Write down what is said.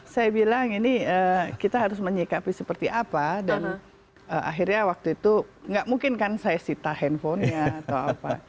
saya bilang ini kita harus menyikapi seperti apa dan akhirnya waktu itu nggak mungkin kan saya sita handphonenya atau apa